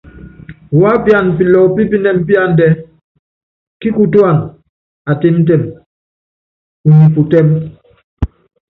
Wuápiana pilɔkɔ pípinɛm píándɛ, kíkutúana: Atɛ́mtɛm, unyi putɛ́m.